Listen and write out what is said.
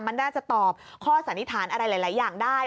มันน่าจะตอบข้อสันนิษฐานอะไรหลายอย่างได้